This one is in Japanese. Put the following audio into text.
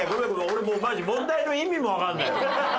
俺もうマジ問題の意味もわかんない。